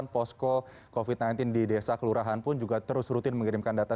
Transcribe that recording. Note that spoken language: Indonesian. dan posko covid sembilan belas di desa kelurahan pun juga terus rutin mengirimkan data